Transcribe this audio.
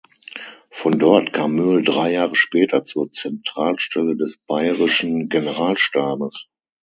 Von dort kam Möhl drei Jahre später zur Zentralstelle des bayerischen Generalstabes.